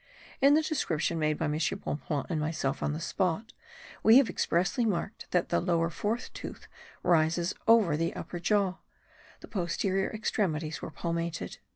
In the description made by M. Bonpland and myself on the spot, we have expressly marked that the lower fourth tooth rises over the upper jaw. The posterior extremities were palmated.